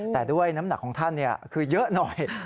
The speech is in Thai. แต่ด้วยน้ำหนักของท่านคือเยอะหน่อย